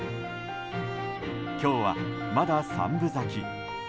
今日まだ三分咲き。